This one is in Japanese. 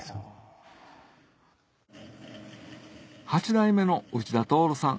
８代目の内田徹さん